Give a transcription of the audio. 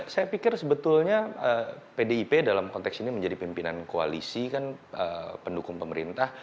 saya pikir sebetulnya pdip dalam konteks ini menjadi pimpinan koalisi kan pendukung pemerintah